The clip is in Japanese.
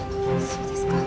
そうですか。